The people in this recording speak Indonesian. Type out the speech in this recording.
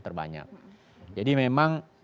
terbanyak jadi memang